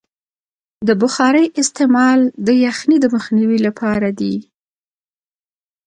د بخارۍ استعمال د یخنۍ د مخنیوي لپاره دی.